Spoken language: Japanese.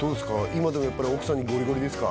今でもやっぱり奥さんにゴリゴリですか？